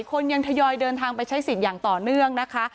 คนยังทยอยเดินทางไปใช้สิทธิ์อย่างต่อเนื่องนะคะ